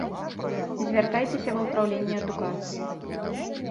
Звяртайцеся ва ўпраўленне адукацыі.